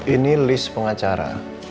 ini list pengacara